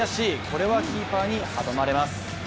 これはキーパーに阻まれます。